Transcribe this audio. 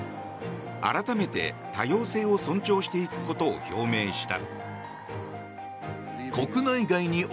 改めて、多様性を尊重していくことを表明した。